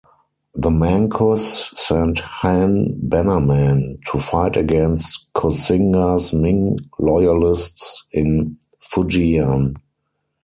The Manchus sent Han Bannermen to fight against Koxinga's Ming loyalists in Fujian.